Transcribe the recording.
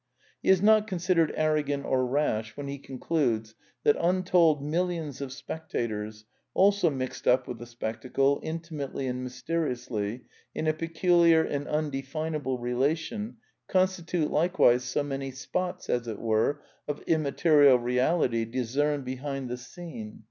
He is not considered arrogant or rash when he con cludes that untold millions of spectators, also mixed up with the spectacle, intimately and mysteriously, in a peculiar and undefinable relation, constitute likewise so many spots, as it were, of immaterial reality discerned be hind the scene.